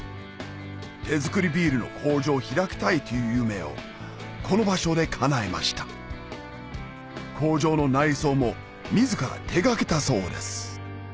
手作りビールの工場を開きたいという夢をこの場所でかなえました工場の内装も自ら手掛けたそうです